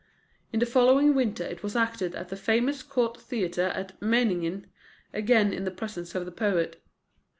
In the following winter it was acted at the famous Court Theatre at Meiningen, again in the presence of the poet.